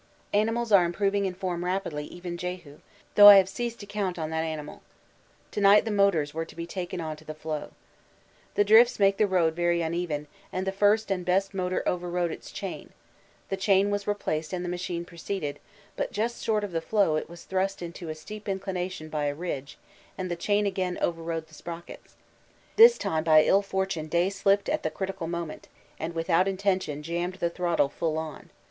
Animals are improving in form rapidly, even Jehu, though I have ceased to count on that animal. To night the motors were to be taken on to the floe. The drifts make the road very uneven, and the first and best motor overrode its chain; the chain was replaced and the machine proceeded, but just short of the floe was thrust to a steep inclination by a ridge, and the chain again overrode the sprockets; this time by ill fortune Day slipped at the critical moment and without intention jammed the throttle full on.